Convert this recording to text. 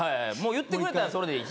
言ってくれたらそれでいい。